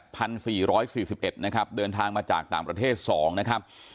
สี่ร้อยสี่สิบเอ็ดนะครับเดินทางมาจากต่างประเทศสองนะครับ